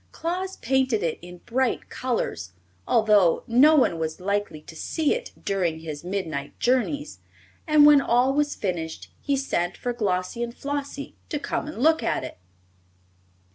Claus painted it in bright colors, although no one was likely to see it during his midnight journeys, and when all was finished he sent for Glossie and Flossie to come and look at it.